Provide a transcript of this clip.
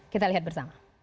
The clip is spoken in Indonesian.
kita lihat bersama